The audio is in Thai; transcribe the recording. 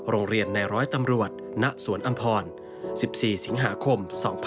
โรงเรียนในร้อยตำรวจณสวนอำพร๑๔สิงหาคม๒๕๖๒